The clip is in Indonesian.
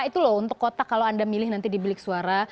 itu loh untuk kotak kalau anda milih nanti di bilik suara